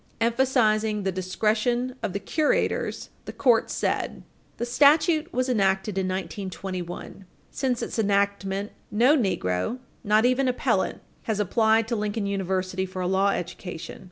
Emphasizing the discretion of the curators, the court said: "The statute was enacted in 1921. Since its enactment, no negro, not even appellant, has applied to Lincoln University for a law education.